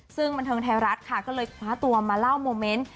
ซึ่งบันเทิงไทยรัฐค่ะก็เลยคว้าตัวมาเล่าโมเมนต์